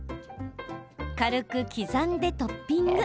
軽く刻んでトッピング。